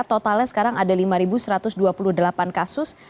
totalnya sekarang ada lima satu ratus dua puluh delapan kasus